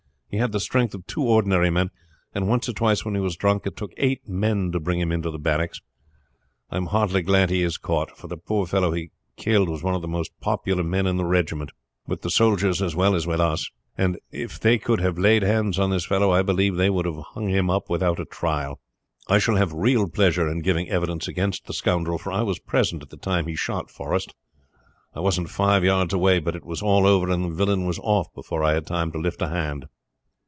He had the strength of two ordinary men, and once or twice when he was drunk it took eight men to bring him into barracks. I am heartily glad he is caught, for the poor fellow he killed was one of the most popular men in the regiment with the soldiers as well as with us and if they could have laid hands on this fellow I believe they would have hung him up without a trial. I shall have real pleasure in giving evidence against the scoundrel for I was present at the time he shot poor Forrest. I wasn't five yards away, but it was all over and the villain was off before I had time to lift a hand."